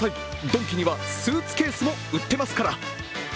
ドンキには、スーツケースも売ってますから！